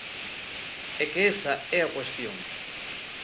É que esa é a cuestión.